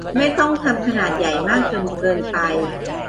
ไม่ต้องทำขนาดใหญ่มากจนเกินไป